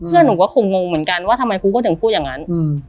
หนูก็คงงเหมือนกันว่าทำไมครูก็ถึงพูดอย่างนั้น